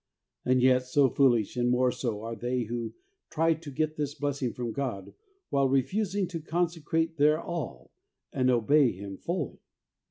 And yet so foolish, and more so, are they who try to get this blessing from God, while HOW TO GET HOLINESS 23 refusing to consecrate their all and obey Him fully.